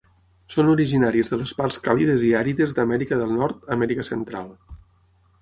Són originàries de les parts càlides i àrides d'Amèrica del Nord, Amèrica Central.